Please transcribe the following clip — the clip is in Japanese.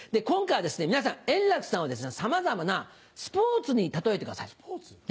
今回は皆さん円楽さんをさまざまなスポーツに例えてください。